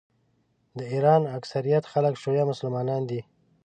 د ایران اکثریت خلک شیعه مسلمانان دي.